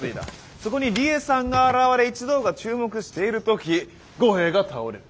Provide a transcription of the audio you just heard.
そこに梨江さんが現れ一同が注目している時五兵衛が倒れる。